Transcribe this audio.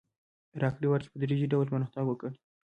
راکړې ورکړې په تدریجي ډول پرمختګ وکړ.